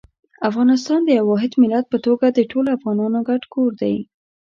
افغانستان د یو واحد ملت په توګه د ټولو افغانانو ګډ کور دی.